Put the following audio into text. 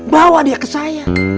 bawa dia ke saya